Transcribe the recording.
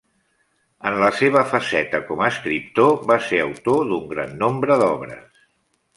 En la seva faceta com a escriptor va ser autor d'un gran nombre d'obres.